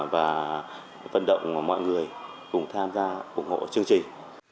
và vận động mọi người cùng tham gia ủng hộ chương trình